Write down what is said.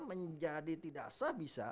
menjadi tidak sah bisa